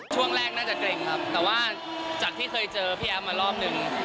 ช่วงแรกน่าจะเกร็งครับแต่ว่าจากที่เคยเจอพี่แอฟมารอบนึง